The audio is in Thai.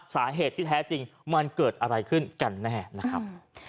สาเหตุที่แท้จริงมันเกิดอะไรขึ้นกันแน่นะครับ